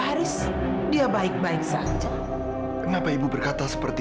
haris sudah tidak bisa menemukan farah lagi